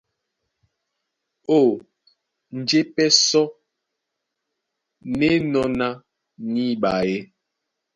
Ó njé pɛ́ sɔ́ ná enɔ́ ná níɓa é?